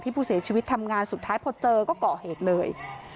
ผู้เสียชีวิตทำงานสุดท้ายพอเจอก็ก่อเหตุเลย